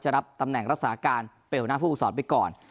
รับตำแหน่งรักษาการเป็นหัวหน้าผู้ฝึกศรไปก่อน